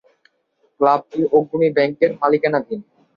ক্লাবটি অগ্রণী ব্যাংকের মালিকানাধীন।